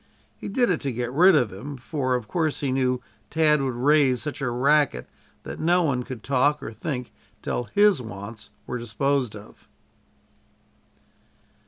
He did it to get rid of him, for of course he knew Tad would raise such a racket that no one could talk or think till his wants were disposed of.